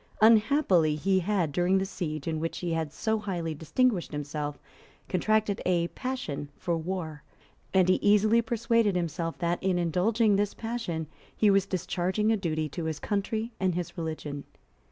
Unhappily he had, during the siege in which he had so highly distinguished himself, contracted a passion for war; and he easily persuaded himself that, in indulging this passion, he was discharging a duty to his country and his religion.